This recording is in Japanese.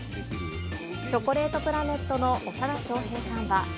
チョコレートプラネットの長田庄平さんは。